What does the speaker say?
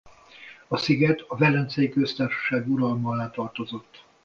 A sziget a Velencei Köztársaság uralma alá tartozott.